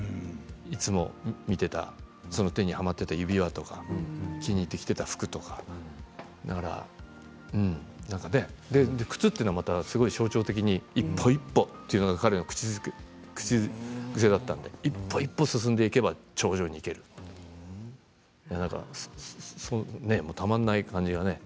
いつも見ていたその手にはまっていた指輪とか気に入っていた服とか靴というのは、また象徴的に一歩一歩というのがあるのが靴ですよね、一歩一歩進んでいけば頂上に行けるというたまらない感じがね。